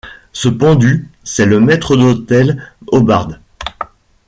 Ce pendu, c’est le maître d’hôtel Hobbart!